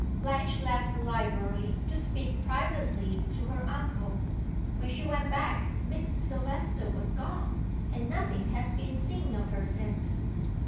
Blanche left the library, to speak privately to her uncle. When she went back Miss Silvester was gone, and nothing has been seen of her since."